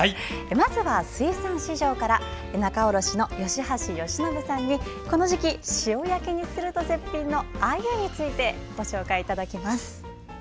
まずは、水産市場から仲卸の吉橋善伸さんにこの時期、塩焼きにすると絶品のアユについてご紹介いただきます。